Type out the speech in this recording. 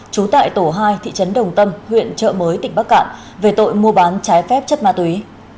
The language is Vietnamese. trú tại tổ hai thị trấn đồng tâm huyện trợ mới tỉnh bắc cạn về tội mua bán trái phép chất ma túy